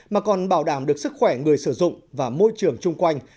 mà còn bảo đảm được sức khỏe người sử dụng và môi trường chung quanh